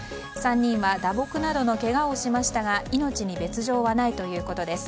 ３人は打撲などのけがをしましたが命に別条はないということです。